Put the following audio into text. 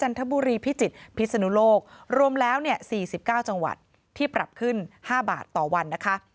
ทบุรีพิจิตรพิศนุโลกรวมแล้วเนี่ย๔๙จังหวัดที่ปรับขึ้น๕บาทต่อวันนะคะ